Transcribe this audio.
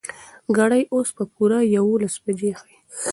ګړۍ اوس پوره يولس بجې ښيي.